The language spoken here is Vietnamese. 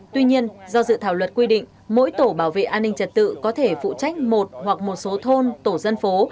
tuy nhiên do dự thảo luật quy định mỗi tổ bảo vệ an ninh trật tự có thể phụ trách một hoặc một số thôn tổ dân phố